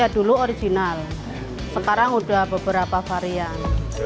dulu original sekarang sudah beberapa varian